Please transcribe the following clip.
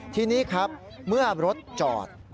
ทีนี้ครับเมื่อรถจอด